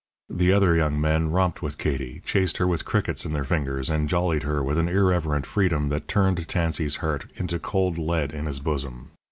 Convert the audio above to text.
The other young men romped with Katie, chased her with crickets in their fingers, and "jollied" her with an irreverent freedom that turned Tansey's heart into cold lead in his bosom.